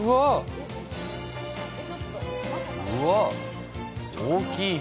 うわ、大きい。